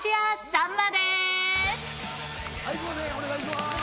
お願いします